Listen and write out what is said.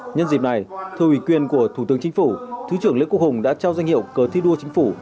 nhân dịp này thưa ủy quyền của thủ tướng chính phủ thứ trưởng lê quốc hùng đã trao danh hiệu cờ thi đua chính phủ